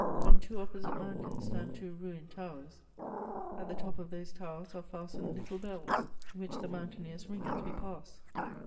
On two opposite mountains stand two ruined towers; at the top of those towers are fastened little bells, which the mountaineers ring as we pass.